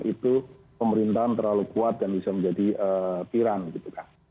itu pemerintahan terlalu kuat dan bisa menjadi piran gitu kan